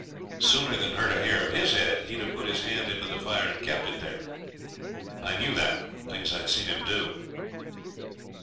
Sooner than hurt a hair of his head he'd have put his hand into the fire and kept it there. I knew that from things I'd seen him do.